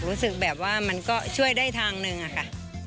รู้สึกว่ามันก็ช่วยได้ทางหนึ่งอะค่ะ